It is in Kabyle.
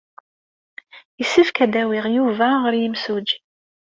Yessefk ad awiɣ Yuba ɣer yimsujji.